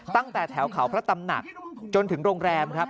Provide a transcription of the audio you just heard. ตั้งแต่แถวเขาพระตำหนักจนถึงโรงแรมครับ